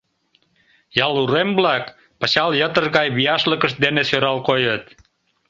Ял урем-влак пычал йытыр гай вияшлыкышт дене сӧрал койыт.